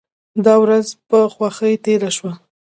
دا ورځ په خوښۍ تیره شوه.